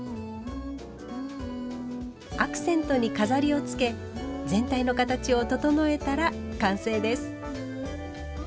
アクセントに飾りをつけ全体の形を整えたら完成です。